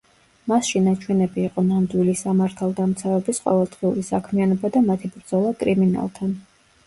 მასში ნაჩვენები იყო ნამდვილი სამართალდამცავების ყოველდღიური საქმიანობა და მათი ბრძოლა კრიმინალთან.